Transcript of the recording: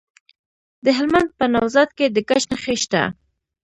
د هلمند په نوزاد کې د ګچ نښې شته.